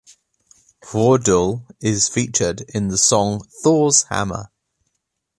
Vordul is featured in the song Thor's Hammer.